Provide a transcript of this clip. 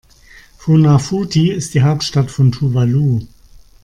Funafuti ist die Hauptstadt von Tuvalu.